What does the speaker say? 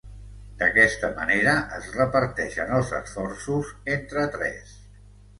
D'aquesta manera es reparteixen els esforços entre tres.